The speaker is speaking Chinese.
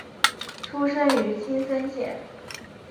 出身于青森县。